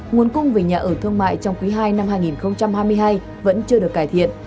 nguồn cung về nhà ở thương mại trong quý ii năm hai nghìn hai mươi hai vẫn chưa được cải thiện